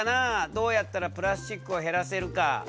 どうやったらプラスチックを減らせるか。